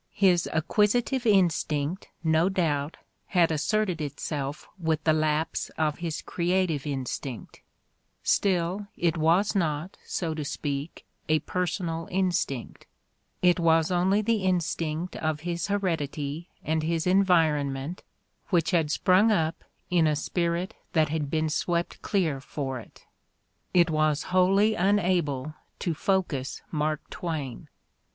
His acquisitive in stinct, no doubt, had asserted itself with the lapse of his creative instinct; still, it was not, so to speak, a personal instinct, it was only the instinct of his heredity and his environment which had sprung up in a spirit that had been swept clear for it; it was wholly unable to focus Mark Twain.